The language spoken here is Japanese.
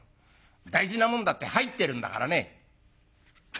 大事なもんだって入ってるんだからね」。